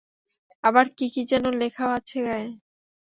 আবার কি কি যেন লেখাও আছে গায়ে।